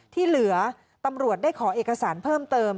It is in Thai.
ที่เหลือตำรวจได้ขอเอกสารเพิ่มเติม